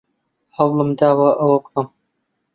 هەوڵم داوە ئەوە بکەم.